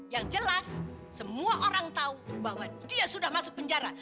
yang jelas semua orang tahu bahwa dia sudah masuk penjara